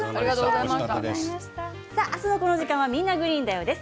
明日のこの時間は「みんな！グリーンだよ」です。